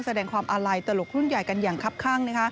แสดงความอาลัยตลกรุ่นใหญ่กันอย่างคับข้าง